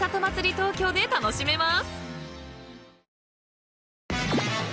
東京で楽しめます］